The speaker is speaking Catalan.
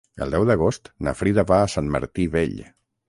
El deu d'agost na Frida va a Sant Martí Vell.